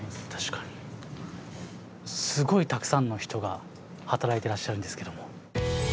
すごいたくさんの人が働いてらっしゃるんですけども。